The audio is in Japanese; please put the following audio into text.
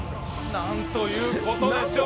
何ということでしょう！